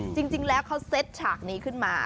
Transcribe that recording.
จริงแล้วเขาเซ็ตฉากนี้ขึ้นมา